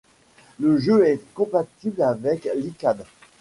Le jeu est compatible avec l'iCade.